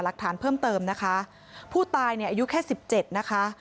รักฐานเพิ่มเติมนะคะผู้ตายเนี่ยอายุแค่๑๗นะคะ